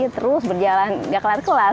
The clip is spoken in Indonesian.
terus berjalan gak kelar kelas